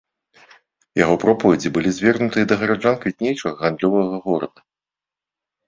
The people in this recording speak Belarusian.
Яго пропаведзі былі звернутыя да гараджан квітнеючага гандлёвага горада.